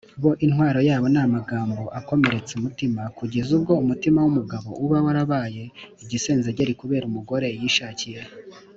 Bo intwaro yabo ni amagambo akomeretsa umutima kugeza ubwo umutima w’umugabo uba warabaye igisenzegeri kubera umugore yishakiye "